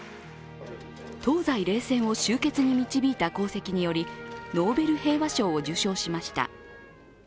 東西冷戦を終結に導いた功績により、ノーベル平和賞を受賞しました。